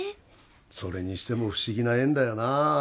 それにしても不思議な縁だよな